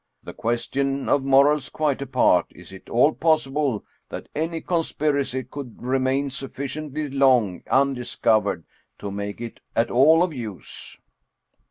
The question of morals quite apart, is it at all possible that any conspiracy could remain sufficiently long undiscovered to make it at all of use?"